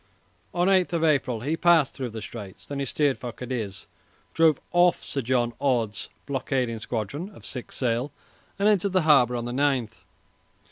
On 8 April he passed through the Straits. Then he steered for Cadiz, drove off Sir John Orde's blockading squadron of six sail, and entered the harbour on the 9th.